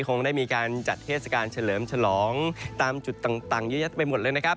คงได้มีการจัดเทศกาลเฉลิมฉลองตามจุดต่างเยอะแยะไปหมดเลยนะครับ